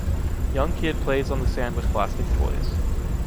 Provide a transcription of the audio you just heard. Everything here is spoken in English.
Young kid plays on the sand with plastic toys.